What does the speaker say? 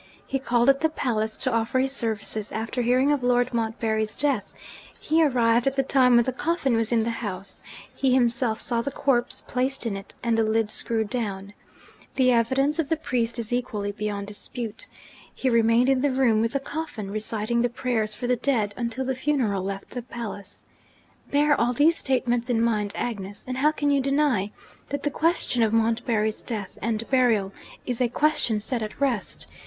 He called at the palace to offer his services, after hearing of Lord Montbarry's death; he arrived at the time when the coffin was in the house; he himself saw the corpse placed in it, and the lid screwed down. The evidence of the priest is equally beyond dispute. He remained in the room with the coffin, reciting the prayers for the dead, until the funeral left the palace. Bear all these statements in mind, Agnes; and how can you deny that the question of Montbarry's death and burial is a question set at rest?